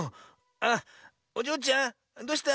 あっおじょうちゃんどうした？